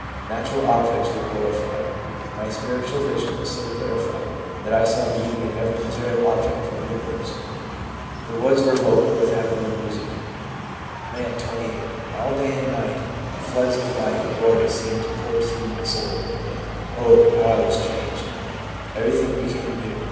Natural objects were glorified. My spiritual vision was so clarified that I saw beauty in every material object in the universe. The woods were vocal with heavenly music.' M., 28. 'All day and night floods of light and glory seemed to pour through my soul, and O, how I was changed ! Everything became new.